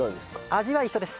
味は一緒です。